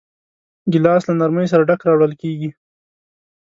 ګیلاس له نرمۍ سره ډک راوړل کېږي.